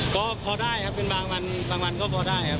ก็พอได้ครับเป็นบางวันบางวันก็พอได้ครับ